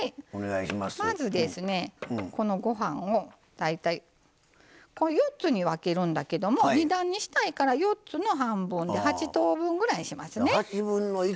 まず、このご飯を大体４つに分けるんだけども２段にしたいから４つの半分で８等分にしますね。